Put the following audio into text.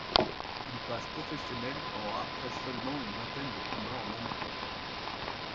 Il passe professionnel en après seulement une vingtaine de combats en amateur.